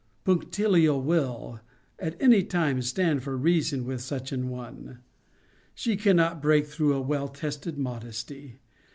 Punctilio will, at any time, stand for reason with such an one. She cannot break through a well tested modesty.